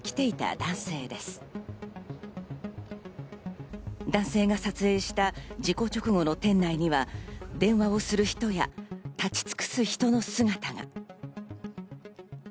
男性が撮影した事故直後の店内には、電話をする人や立ち尽くす人の姿が。